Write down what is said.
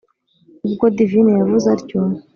ubwo divine yavuze atyo,